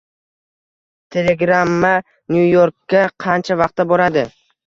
Telegramma Nyu-Yorkka qancha vaqtda boradi?